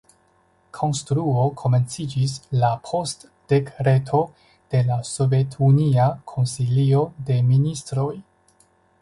Konstruo komenciĝis la post dekreto de la Sovetunia Konsilio de Ministroj.